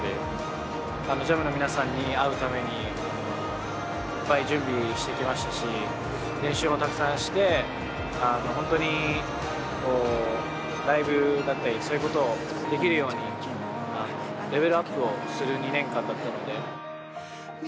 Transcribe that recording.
ＪＡＭの皆さんに会うためにいっぱい準備してきましたし練習もたくさんして本当にライブだったりそういうことをできるようにレベルアップをする２年間だったので。